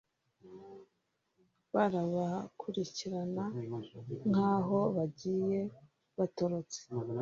barabakurikirana nk’aho bagiye batorotse.